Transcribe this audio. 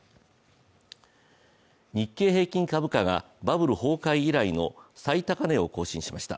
日経平均株価がバブル崩壊以来の最高値を更新しました。